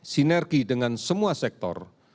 sinergi dengan semua sektor